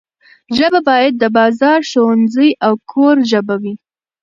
ژبه باید د بازار، ښوونځي او کور ژبه وي.